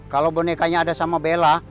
kalau bonekanya ada sama bella